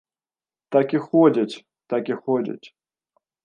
Так і ходзяць, так і ходзяць.